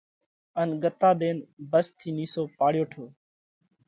ان ڳتا ۮينَ ڀس ٿِي نِيسو پاڙيو هٺو۔